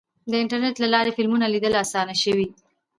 د انټرنیټ له لارې فلمونه لیدل اسانه شوي.